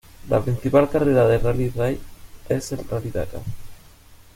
La principal carrera de rally raid es el Rally Dakar.